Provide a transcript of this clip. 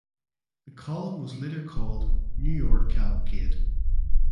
The column was later called "New York Cavalcade".